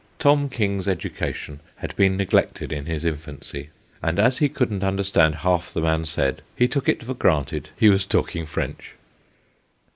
Tom King's education had been neglected in his infancy, and as he couldn't understand half the man said, he took it for granted he was talking French.